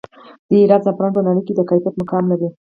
د هرات زعفران په نړۍ کې د کیفیت مقام لري